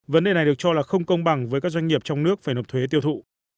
vấn đề này được cho là không công bằng với các doanh nghiệp trong nước phải nộp thuế tiêu thụ